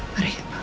mari ya pak